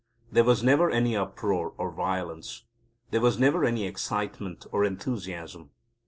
There was never any uproar or violence. There was never any excitement or enthusiasm.